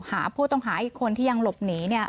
หาผู้ต้องหาอีกคนที่ยังหลบหนีเนี่ย